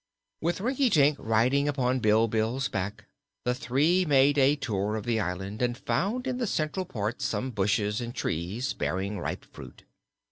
With Rinkitink riding upon Bilbil's back, the three made a tour of the island and found in the central part some bushes and trees bearing ripe fruit.